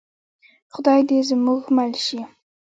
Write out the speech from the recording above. خدای دې زموږ مل شي